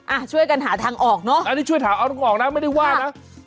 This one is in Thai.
อ่ะช่วยกันหาทางออกเนอะอันนี้ช่วยถามเอาตรงออกนะไม่ได้ว่านะ